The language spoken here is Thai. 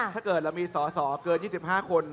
ถ้าเกิดเรามีสอสอเกิน๒๕คน